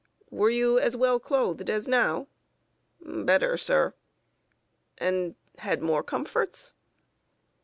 "Were you as well clothed as now?" "Better, sir." "And had more comforts?"